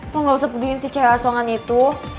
lo nggak usah peduliin si cewek asokan itu